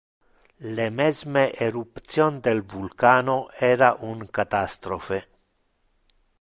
Le mesme eruption del vulcano era un catastrophe.